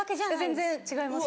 全然違います